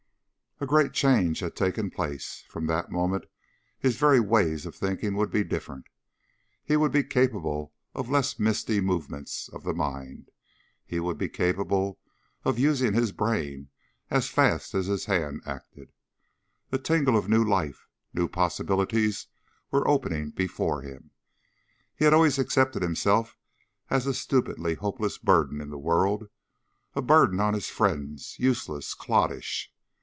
A great change had taken place. From that moment his very ways of thinking would be different. He would be capable of less misty movements of the mind. He would be capable of using his brain as fast as his hand acted. A tingle of new life, new possibilities were opening before him. He had always accepted himself as a stupidly hopeless burden in the world, a burden on his friends, useless, cloddish.